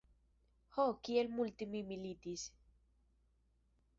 Ho, kiel multe mi militis!